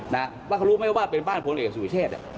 นะว่าเขารู้ไหมว่าเป็นบ้านพลเอกสุเชษ